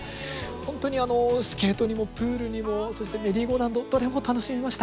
本当にあのスケートにもプールにもそしてメリーゴーラウンドどれも楽しめました。